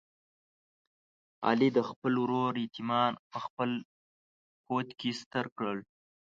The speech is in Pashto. علي د خپل ورور یتیمان په خپل کوت کې ستر کړل.